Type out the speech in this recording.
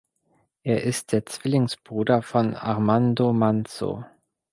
Er ist der Zwillingsbruder von Armando Manzo.